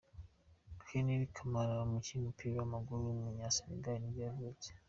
Henri Camara, umukinnyi w’umupira w’amaguru w’umunyasenegal nibwo yavutse.